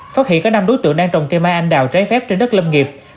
phát hiện có năm đối tượng đang trồng cây mai anh đào trái phép trên đất lâm nghiệp